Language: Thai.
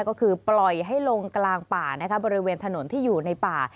ก็คือปล่อยให้ลงกลางป่าบริเวณถนนที่อยู่ในป่า